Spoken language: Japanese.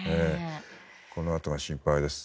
このあとが心配です。